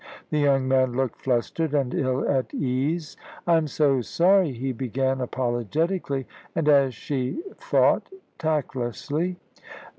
The young man looked flustered, and ill at ease. "I'm so sorry!" he began apologetically, and, as she thought, tactlessly.